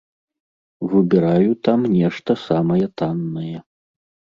Выбіраю там нешта самае таннае.